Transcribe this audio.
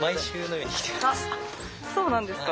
そうなんですか？